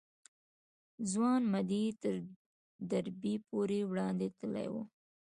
ځوان مدعي تر دربي پورې وړاندې تللی و.